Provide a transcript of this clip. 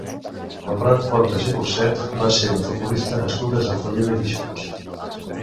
Conrad Portas i Burcet va ser un futbolista nascut a Sant Feliu de Guíxols.